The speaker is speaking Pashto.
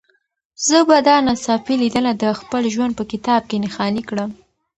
زه به دا ناڅاپي لیدنه د خپل ژوند په کتاب کې نښاني کړم.